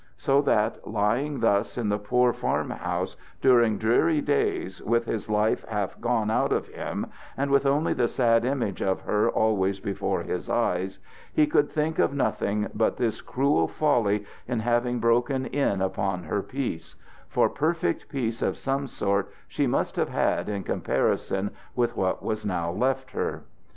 So that, lying thus in the poor farm house during dreary days, with his life half gone out of him and with only the sad image of her always before his eyes, he could think of nothing but his cruel folly in having broken in upon her peace; for perfect peace of some sort she must have had in comparison with what was now left her.